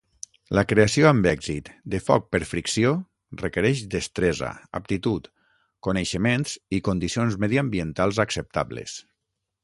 La creació amb èxit de foc per fricció requereix destresa, aptitud, coneixements i condicions mediambientals acceptables.